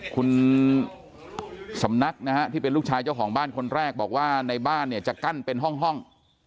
คุณสำนักนะฮะที่เป็นลูกชายเจ้าของบ้านคนแรกบอกว่าในบ้านเนี่ยจะกั้นเป็นห้อง